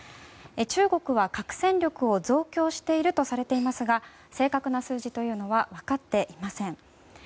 中国は核戦力を増強しているとされていますが正確な数字というのは分かっていません。